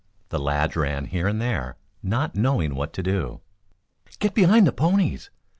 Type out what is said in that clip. The lads ran here and there, not knowing what to do. "Get behind the ponies!